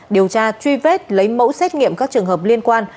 điều tra truy vết lấy mẫu xét nghiệm các trường hợp liên quan